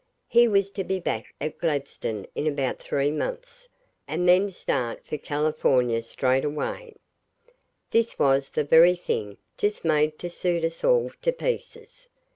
He was to be back at Gladstone in about three months, and then start for California straight away. This was the very thing, just made to suit us all to pieces.